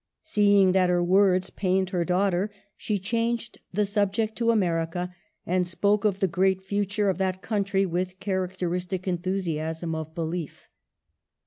Seeing that her words pained her daughter, she changed the subject to America, and spoke of the great future of that country with characteristic enthusiasm of belief.